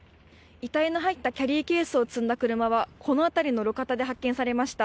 遺体の入ったキャリーケースを積んだ車はこの辺りの路肩で発見されました。